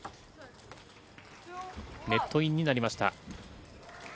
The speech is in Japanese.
ネットインになりました。